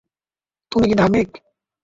তুমি কি ধার্মিক?